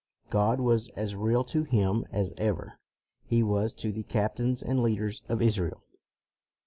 God was as real to him as ever He was to the captains and leaders of Israel.